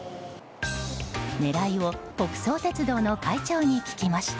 狙いを北総鉄道の会長に聞きました。